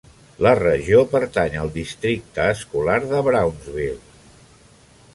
La regió pertany al districte escolar de Brownsville.